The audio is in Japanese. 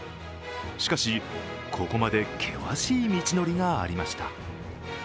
しかし、ここまで険しい道のりがありました。